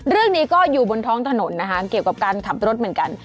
เรื่องนี้ก็อยู่บนท้องถนนนะคะเกี่ยวกับการขับรถเหมือนกัน